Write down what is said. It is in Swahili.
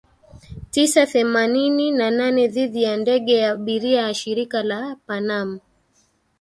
tisa themanini na nane dhidi ya ndege ya abiria ya Shirika la Pan Am